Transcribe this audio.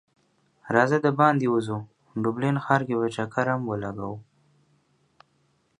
راځه د باندی وځو ډبلین ښار کی به چکر هم ولګو